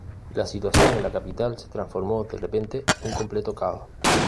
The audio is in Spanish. La situación en la capital se transformó de repente en un completo caos.